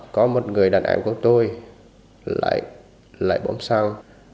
có một người đàn em của tôi lại bấm xăng